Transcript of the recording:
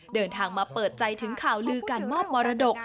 เดินทางมาเปิดใจถึงข่าวลือการมอบมรดก